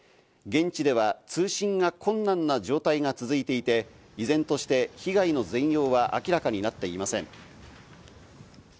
現地では通信が困難な状態が続いていて、依然として被害の全容は明らかになっていません。